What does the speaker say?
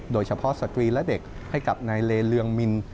โดยเฉพาะสัตวีและเด็กให้กับนายเลเลืองมินม์